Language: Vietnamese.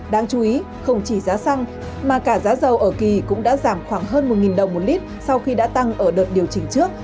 đáng chú ý không chỉ giá xăng mà cả giá dầu ở kỳ cũng đã giảm khoảng hơn một đồng một lít sau khi đã tăng ở đợt điều chỉnh trước